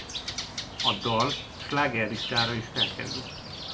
A dal slágerlistára is felkerült.